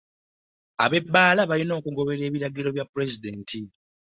Ab'ebbaala balina okugoberera ebiragiro bya pulezidenti.